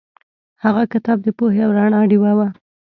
هغه کتاب د پوهې او رڼا ډیوه وه.